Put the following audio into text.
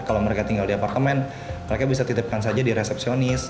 kalau mereka tinggal di apartemen mereka bisa titipkan saja di resepsionis